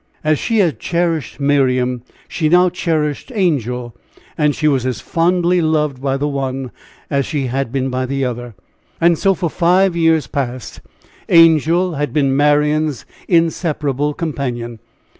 As she had cherished Miriam, she now cherished Angel, and she was as fondly loved by the one as she had been by the other. And so for five years past Angel had been Marian's inseparable companion.